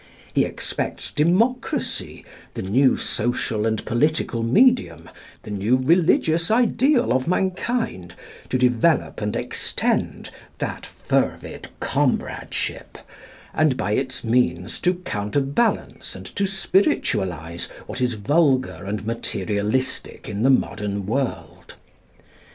He expects Democracy, the new social and political medium, the new religious ideal of mankind, to develop and extend "that fervid comradeship," and by its means to counterbalance and to spiritualise what is vulgar and materialistic in the modern world.